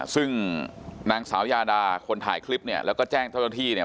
ซึ่งนางสาวยาดาคนถ่ายคลิปเนี่ยแล้วก็แจ้งเจ้าหน้าที่เนี่ย